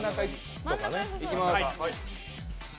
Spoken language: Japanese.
いきまーす。